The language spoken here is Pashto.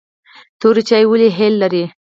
تور چای ولې هل لري؟